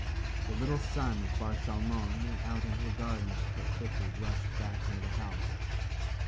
The little son of Bar Shalmon went out into the garden, but quickly rushed back into the house.